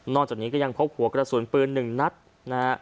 จากนี้ก็ยังพบหัวกระสุนปืนหนึ่งนัดนะฮะ